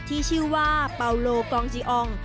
ที่ชื่อว่าเปาโลกองจีออง